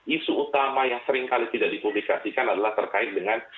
isu utama yang seringkali tidak dipublikasikan adalah terkait dengan